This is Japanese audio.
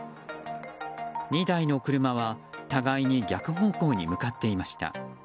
２台の車は互いに逆方向に向かっていました。